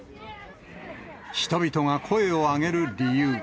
人々が声を上げる理由。